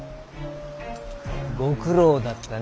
ご苦労だったね。